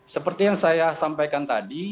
seperti yang saya sampaikan tadi